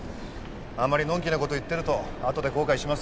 あまりのんきなこと言ってると後で後悔しますよ。